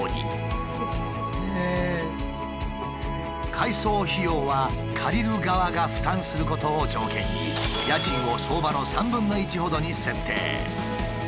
改装費用は借りる側が負担することを条件に家賃を相場の３分の１ほどに設定。